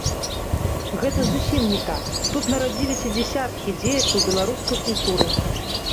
Гэта зусім не так, тут нарадзіліся дзясяткі дзеячаў беларускай культуры.